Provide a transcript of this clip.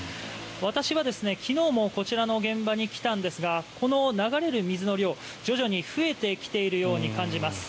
私は昨日もこちらの現場に来たんですがこの流れる水の量、徐々に増えてきているように感じます。